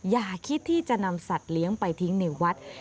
อย่าคิดที่จะนำสัตว์เลี้ยงไปทิ้งในวัด